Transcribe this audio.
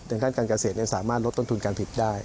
อย่างกันการเกษตรสามารถลดต้นทุนการผิดได้